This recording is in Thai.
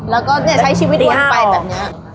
แล้วก็ใช้ชีวิตวนไปแบบนี้